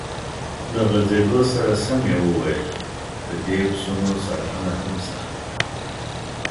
له غځېدو سره سم یې وویل: د دې پسونو ساتنه هم سخته ده.